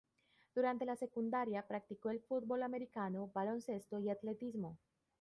Durante la secundaria practicó el fútbol americano, baloncesto y atletismo.